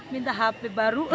minta hp baru